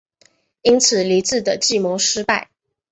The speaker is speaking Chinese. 因此黎质的计谋失败。